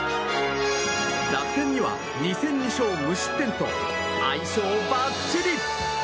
楽天には２戦２勝、無失点と相性ばっちり。